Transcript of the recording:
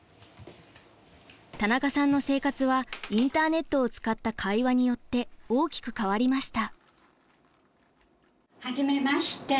田中さんの生活はインターネットを使った会話によって大きく変わりました。